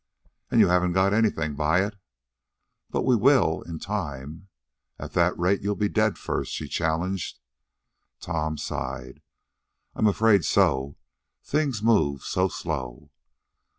"And you haven't got anything by it?" "But we will... in time." "At that rate you'll be dead first," she challenged. Tom sighed. "I'm afraid so. Things move so slow."